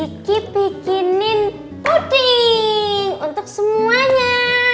ini gigi bikinin puding untuk semuanya